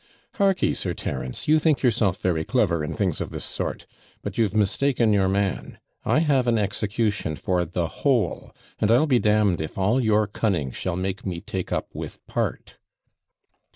'Harkee, Sir Terence you think yourself very clever in things of this sort, but you've mistaken your man; I have an execution for the whole, and I'll be d d if all your cunning shall MAKE me take up with part!'